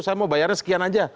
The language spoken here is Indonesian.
saya mau bayarnya sekian aja